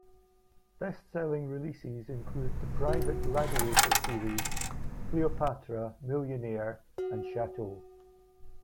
Best-selling releases include the "Private Gladiator" series, "Cleopatra", "Millionaire" and "Chateau".